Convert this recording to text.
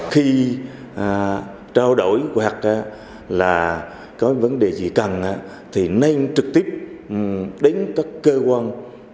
khi trao đổi hoặc là có vấn đề gì cần thì nên trực tiếp đến các cơ quan